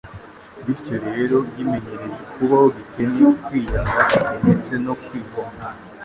Bityo rero yimenyereje kubaho gikene, kwiyanga ndetse no kwigomwa.